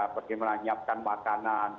bagaimana menyiapkan makanan